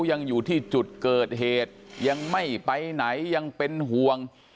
ยังอยู่ที่จุดเกิดเหตุยังไม่ไปไหนยังเป็นห่วง